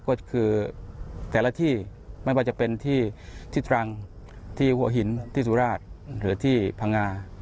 ก็คือแต่ละที่ไม่ว่าจะเป็นที่ตรังที่หัวหินที่สุราชหรือที่พังงา